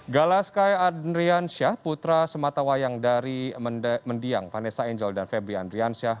gala sky adriansyah putra sematawayang dari mendiang vanessa angel dan febri andriansyah